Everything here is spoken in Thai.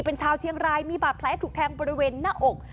เป็นชาวเชียงรายมีบาดแผลถูกแทงบริเวณหน้าอก